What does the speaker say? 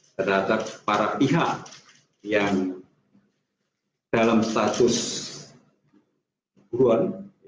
terhadap para pihak yang dalam status buruan